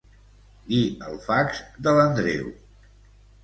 Dir el fax de l'Andreu.